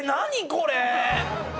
これ。